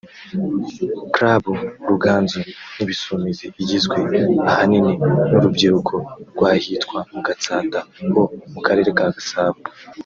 Club Ruganzu n’Ibisumizi igizwe ahanini n’urubyiruko rw’ahitwa mu Gatsata ho mu Karere ka Gasabo